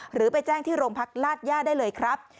หรือไปแจ้งที่โรงพักลาดย่าได้เลยครับ